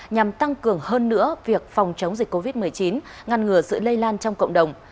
nhằm tăng cường hơn nữa việc phòng chống dịch covid một mươi chín ngăn ngừa sự lây lan trong cộng đồng